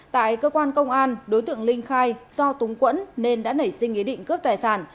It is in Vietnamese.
tại cơ quan công an đối tượng linh khai do túng quẫn nên đã nảy sinh ý định cướp tài sản